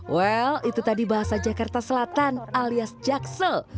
well itu tadi bahasa jakarta selatan alias jaksel